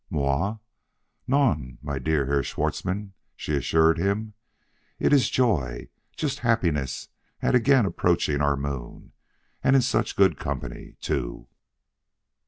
"Mais non! my dear Herr Schwartzmann," she assured him; "it is joy just happiness at again approaching our Moon and in such good company, too."